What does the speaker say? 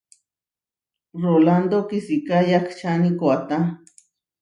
Rolándo kisiká yahčáni koatá.